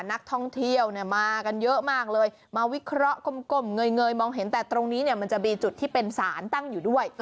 นักท่องเที่ยวเนี่ยมากันเยอะมากเลยมาวิเคราะห์กลมเงยมองเห็นแต่ตรงนี้เนี่ยมันจะมีจุดที่เป็นศาลตั้งอยู่ด้วย